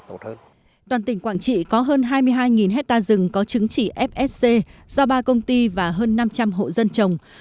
mỗi năm tỉnh quảng trị có hơn một hectare rừng trồng có chứng chỉ fsc